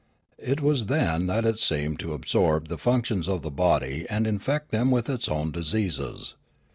It was then that it seemed to absorb the functions of the body and infect them with its own diseases.